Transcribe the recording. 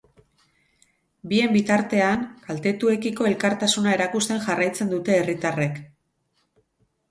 Bien bitartean, kaltetuekiko elkartasuna erakusten jarraitzen dute herritarrek.